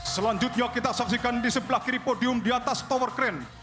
selanjutnya kita saksikan di sebelah kiri podium di atas tower crane